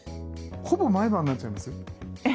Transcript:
ほぼ毎晩になっちゃいます？